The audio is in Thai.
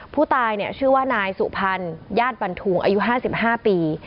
ผู้ตายชื่อว่านายสุพรรณญาติบันทุงอายุ๕๕ปี